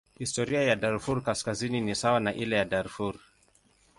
Historia ya Darfur Kaskazini ni sawa na ile ya Darfur.